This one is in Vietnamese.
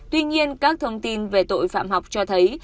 tuy nhiên các thông tin về tội phạm học cho thấy